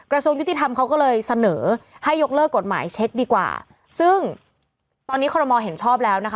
กระทรวงยุติธรรมเขาก็เลยเสนอให้ยกเลิกกฎหมายเช็คดีกว่าซึ่งตอนนี้คอรมอลเห็นชอบแล้วนะคะ